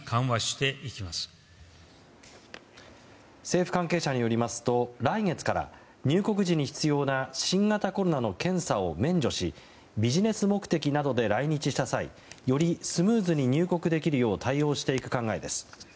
政府関係者によりますと来月から入国時に必要な新型コロナの検査を免除しビジネス目的などで来日した際よりスムーズに入国できるよう対応していく考えです。